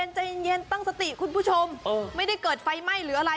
ใจเย็นตั้งสติคุณผู้ชมไม่ได้เกิดไฟไหม้หรืออะไร